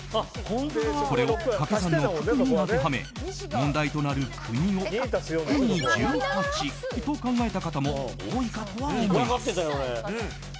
これを掛け算の九九に当てはめ問題となる国をクニ１８と考えた方も多いとは思います。